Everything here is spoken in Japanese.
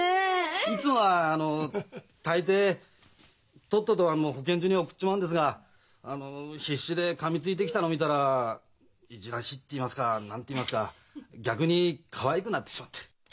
いつもは大抵とっとと保健所に送っちまうんですが必死でかみついてきたの見たらいじらしいって言いますか何て言いますか逆にかわいくなってしまって。